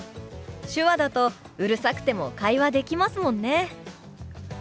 手話だとうるさくても会話できますもんね。